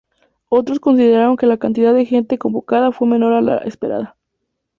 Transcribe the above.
Otros consideraron que la cantidad de gente convocada fue menor a la esperada.